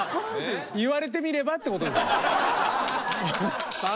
言われてみればって事ですよ。